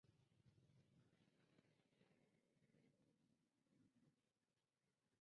El gobierno dominicano lo condecoró con la Orden de Duarte, Sánchez y Mella.